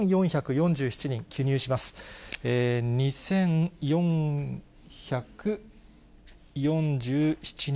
２４４７人。